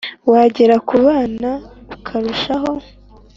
wagera ku bana ukarusha ho